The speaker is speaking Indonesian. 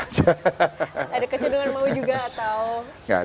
ada kecenderungan mau juga atau